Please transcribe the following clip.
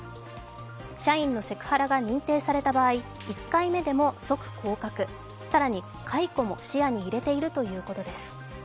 社員のセクハラが認定された場合、１回目でも即降格、更に、解雇も視野に入れているということです。